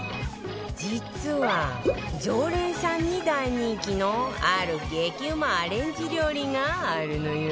実は常連さんに大人気のある激うまアレンジ料理があるのよ